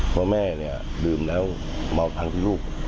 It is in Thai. พ่อแม่ดื่มแล้วเมาทั้งที่ลูก